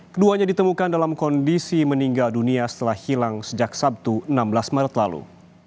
keduanya ditemukan dalam kondisi meninggal dunia setelah hilang sejak sabtu enam belas maret lalu